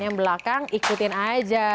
yang belakang ikutin aja